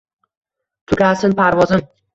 Tugasin parvozim.